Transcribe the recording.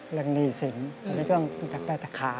เริ่มต้องไปทำขาก่อนนะครับ